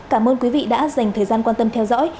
cảm ơn quý vị đã dành thời gian quan tâm theo dõi